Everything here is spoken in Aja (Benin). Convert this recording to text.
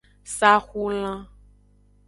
Saxulan.